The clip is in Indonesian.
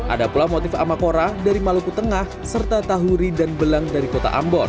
ada pula motif amakora dari maluku tengah serta tahuri dan belang dari kota ambon